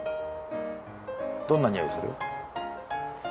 どんな匂いする？